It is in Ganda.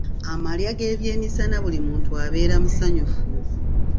Amalya g'ebyemisana buli muntu abeera musanyufu.